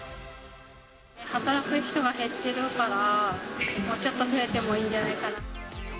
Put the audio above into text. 働く人が減ってるから、もうちょっと増えてもいいんじゃないかな。